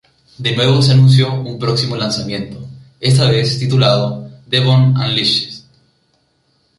De nuevo se anunció un próximo lanzamiento, esta vez titulado "Devon Unleashed".